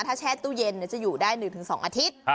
ถ้าแช่ตู้เย็นจะอยู่ได้๑๒อาทิตย์